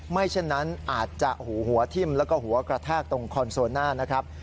เช่นนั้นอาจจะหูหัวทิ่มแล้วก็หัวกระแทกตรงคอนโซน่านะครับ